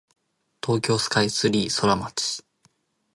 東京スカイツリーソラマチ